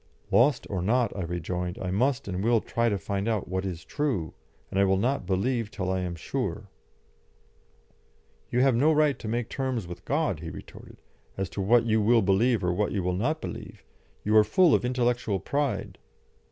"Lost or not," I rejoined, "I must and will try to find out what is true, and I will not believe till I am sure." "You have no right to make terms with God," he retorted, "as to what you will believe or what you will not believe. You are full of intellectual pride."